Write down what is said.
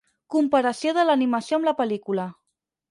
Comparació de l'animació amb la pel•lícula.